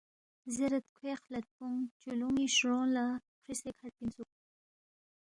زیرید کھوئے خلد پونگ چولونی شرونگ لا کھریسے کھڈپن سوک۔